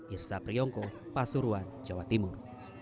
irsa priyongko pasuruan jawa timur